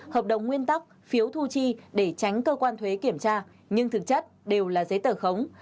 hợp đồng nguyên tắc phiếu thu chi để tránh cơ quan thuế kiểm tra nhưng thực chất đều là giấy tờ khống